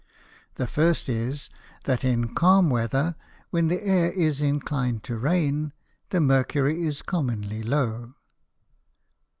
The First is, That in calm Weather, when the Air is inclin'd to Rain, the Mercury is commonly low.